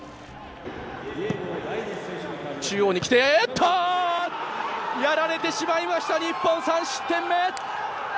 中央に来てやられてしまいました日本３失点目。